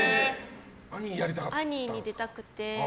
「アニー」に出たくて。